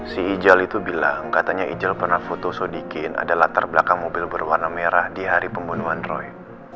si ijal itu bilang katanya ijal pernah foto sodikin ada latar belakang mobil berwarna merah di hari pembunuhan roy